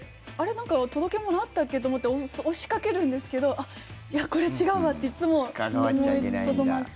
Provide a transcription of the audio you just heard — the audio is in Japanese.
なんか届け物あったっけ？って思って押しかけるんですけどいや、これ違うわっていつも思いとどまって。